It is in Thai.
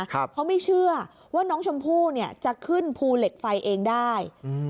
เขาไม่เชื่อว่าน้องชมพู่เนี่ยจะขึ้นภูเหล็กไฟเองได้อืม